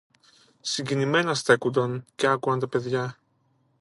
Συγκινημένα στέκουνταν και άκουαν τα παιδιά